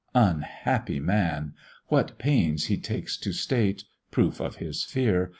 Unhappy man! what pains he takes to state (Proof of his fear!)